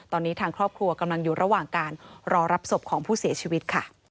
ตอนนี้ทางครอบครัวกำลังอยู่ระหว่างการรอรับศพของผู้เสียชีวิตค่ะ